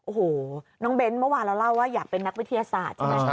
โอ้โหน้องเบ้นเมื่อวานเราเล่าว่าอยากเป็นนักวิทยาศาสตร์ใช่ไหม